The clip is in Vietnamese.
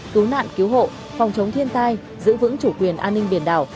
cứu nạn cứu hộ phòng chống thiên tai giữ vững chủ quyền an ninh biển đảo